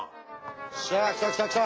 しゃ来た来た来た！